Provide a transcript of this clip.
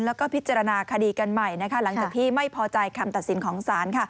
แล้วก็พิจารณาคดีกันใหม่นะคะหลังจากที่ไม่พอใจคำตัดสินของศาล